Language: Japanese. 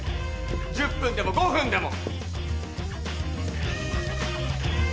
１０分でも５分でも。